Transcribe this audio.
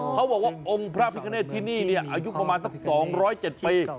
เขาบอกว่าองค์พระพิคเนตที่นี่อายุประมาณสัก๒๐๗ปี